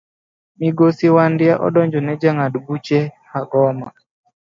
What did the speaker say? Migosi wandia odonjo ne jang'ad buche Hagoma.